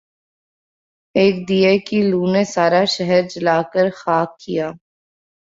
ایک دیے کی لو نے سارا شہر جلا کر خاک کیا